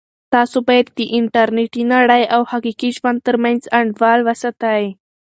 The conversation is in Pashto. تاسو باید د انټرنیټي نړۍ او حقیقي ژوند ترمنځ انډول وساتئ.